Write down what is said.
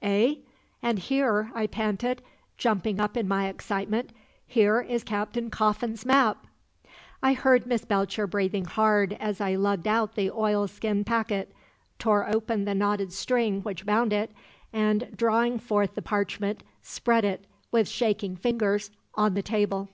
"Eh?" "And here," I panted, jumping up in my excitement, "here is Captain Coffin's map!" I heard Miss Belcher breathing hard as I lugged out the oilskin packet, tore open the knotted string which bound it, and, drawing forth the parchment, spread it, with shaking fingers, on the table.